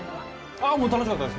あもう楽しかったです